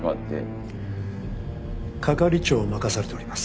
係長を任されております。